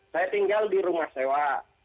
saya tinggal di rumah sewa